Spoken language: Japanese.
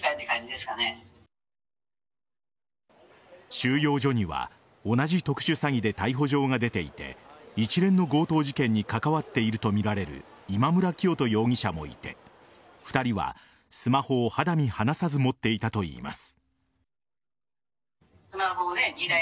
収容所には同じ特殊詐欺で逮捕状が出ていて一連の強盗事件に関わっているとみられる今村磨人容疑者もいて２人はスマホを肌身離さず持っていたといいます。